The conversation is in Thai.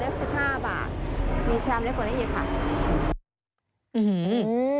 ประคาชามธรรมคัมปุกติ๓๐ชามยักษ์๙๙ชามเลือด๑๕บาทมีชามเลือดกว่าอีกค่ะ